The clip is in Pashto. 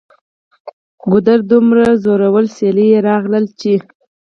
ګودره! دومره زوروره سیلۍ راغلله چې